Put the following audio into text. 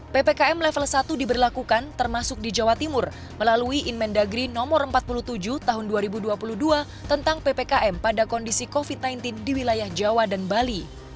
ppkm level satu diberlakukan termasuk di jawa timur melalui inmen dagri no empat puluh tujuh tahun dua ribu dua puluh dua tentang ppkm pada kondisi covid sembilan belas di wilayah jawa dan bali